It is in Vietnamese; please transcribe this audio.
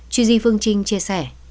tri di phương trinh chia sẻ